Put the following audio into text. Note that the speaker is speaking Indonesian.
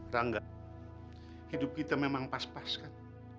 rangga hidup kita memang pas pas kan